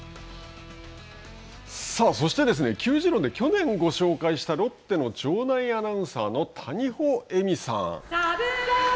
そして球児論で、去年ご紹介したロッテの場内アナウンサーの谷保恵美さん。